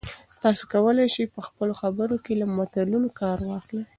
تاسي کولای شئ په خپلو خبرو کې له متلونو کار واخلئ.